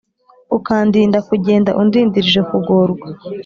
Ukandinda kugenda Undindirije kugorwa